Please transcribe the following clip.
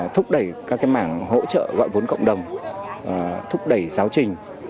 thúc đẩy các mảng hỗ trợ gọi vốn cộng đồng thúc đẩy giáo trình